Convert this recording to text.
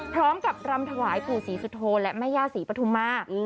พร้อมกับรำถวายปู่ศรีสุโธและแม่ย่าศรีปฐุมา